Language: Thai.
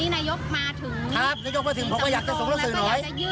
ให้รู้ถึงปัญหาโดยตรงเลย